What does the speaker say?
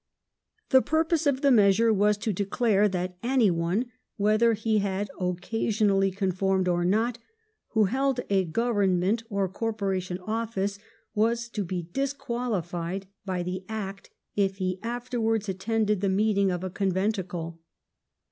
The purpose of the measure was to declare that any one, whether he had occasionally conformed or not, who held a government or corporation office, was to be disqualified by the act if he afterwards attended the meeting of a conventicle.